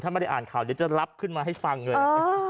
ถ้าไม่ได้อ่านข่าวเดี๋ยวจะรับขึ้นมาให้ฟังเลย